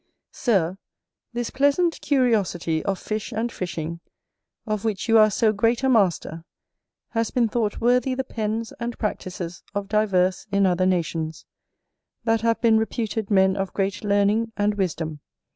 Sir, this pleasant curiosity of Fish and Fishing, of which you are so great a master, has been thought worthy the pens and practices of divers in other nations, that have been reputed men of great learning and wisdom.